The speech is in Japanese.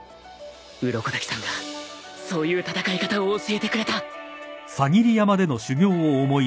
鱗滝さんがそういう戦い方を教えてくれた